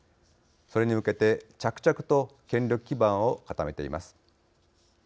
それに向けて着々と権力基盤を固めています。